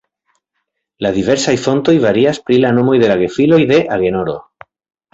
La diversaj fontoj varias pri la nomoj de la gefiloj de Agenoro.